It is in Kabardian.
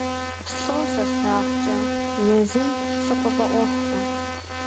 Слӏо сэ слъагъукӏэ, езым сыкъыфӏэӏуэхукъым…